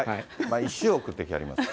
毎週送ってきはります。